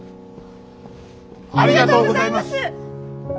ありがとうございます！